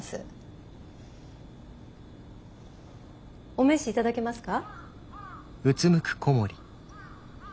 お名刺頂けますか？